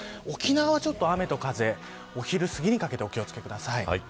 沖縄は、雨と風を昼すぎにかけてお気を付けください。